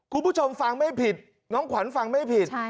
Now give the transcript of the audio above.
คุณผู้ชมฟังไม่ผิดน้องขวัญฟังไม่ผิด